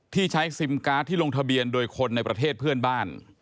ที่ใช้ซิมการ์ดที่ลงทะเบียนโดยคนในประเทศเพื่อนบ้าน